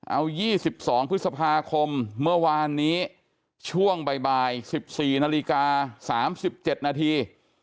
เอายี่สิบสองพฤษภาคมเมื่อวานนี้ช่วงบ่ายบ่ายสิบสี่นาฬิกาสามสิบเจ็ดนาที